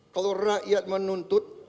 kalau rakyat menuntut